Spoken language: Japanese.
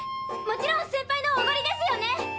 もちろんセンパイのおごりですよね？